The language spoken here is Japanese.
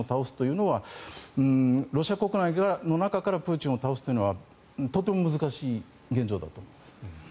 ロシア国内の中からプーチンを倒すというのはとても難しい現状だと思います。